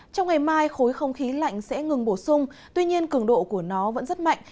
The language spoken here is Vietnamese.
trong ngày mai khối không khí lạnh sẽ ngừng bổ sung tuy nhiên cường độ của nó vẫn rất mạnh